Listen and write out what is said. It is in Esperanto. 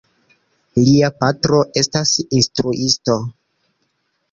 Lia patro estas instruisto.